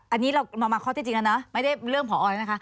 อันนี้เรามาข้อที่จริงแล้วนะไม่ได้เรื่องผอแล้วนะคะ